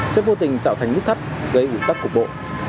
sẽ vô tình tạo thành mức thắt gây ủi tắc cục bộ